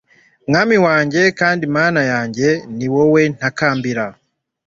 mwami wanjye kandi mana yanjye, ni wowe ntakambira